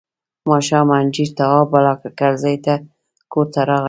ماښام انجنیر تواب بالاکرزی کور ته راغی.